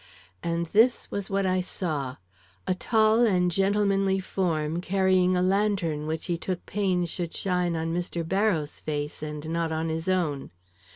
And this was what I saw: A tall and gentlemanly form, carrying a lantern which he took pains should shine on Mr. Barrows' face and not on his own.